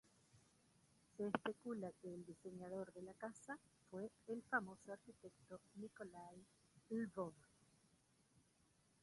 Se especula que el diseñador de la casa fue el famoso arquitecto Nikolai Lvov.